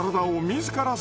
自ら？